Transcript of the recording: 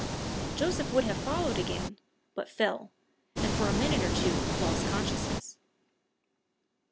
Joseph would have followed again, but fell, and for a minute or two lost consciousness.